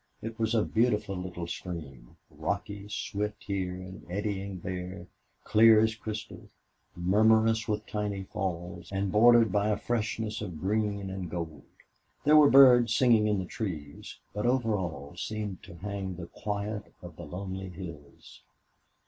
It was a beautiful little stream, rocky, swift here and eddying there, clear as crystal, murmurous with tiny falls, and bordered by a freshness of green and gold; there were birds singing in the trees, but over all seemed to hang the quiet of the lonely hills.